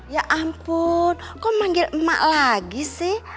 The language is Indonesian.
ya ampun kok manggil emak lagi sih